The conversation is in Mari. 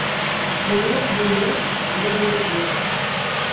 Куэ вует, лувыргет.